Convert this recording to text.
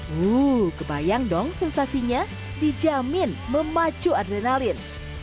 wuh kebayang dong sensasinya dijamin memacu adrenalin